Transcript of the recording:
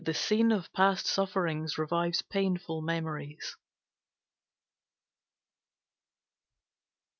The scene of past sufferings revives painful memories.